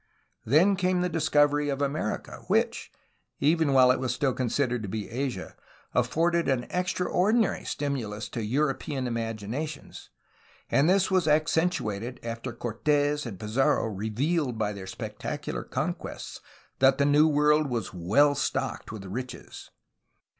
Then came the discovery of America, which (even while it was still considered to be Asia) afforded an extraordinary stimulus to European imaginations, and this was accentuated after Cortes and Pizarro revealed by their spectacular con quests that the New World was well stocked with riches.